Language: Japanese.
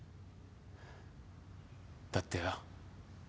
だってよ